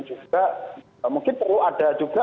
juga mungkin perlu ada juga